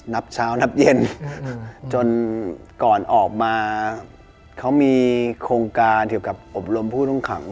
นับเช้านับเย็นจนก่อนออกมาเขามีโครงการเกี่ยวกับอบรมผู้ต้องขัง